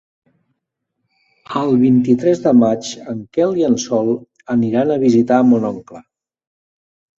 El vint-i-tres de maig en Quel i en Sol aniran a visitar mon oncle.